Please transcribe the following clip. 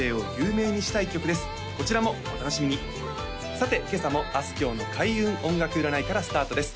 さて今朝もあすきょうの開運音楽占いからスタートです